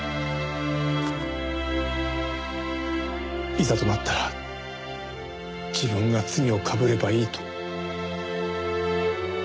いざとなったら自分が罪をかぶればいいと。